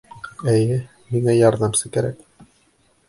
Эйе, миңә ярҙамсы кәрәк.